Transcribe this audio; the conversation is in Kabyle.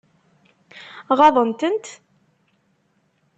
Ɣaḍen-tent?